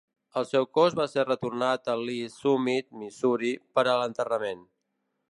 El seu cos va ser retornat a Lee's Summit, Missouri, per a l'enterrament.